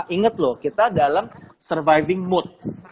ingat loh kita dalam surviving mood